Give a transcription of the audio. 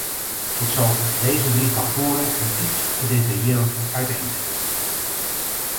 Ik zal deze drie factoren nu iets gedetailleerder uiteenzetten.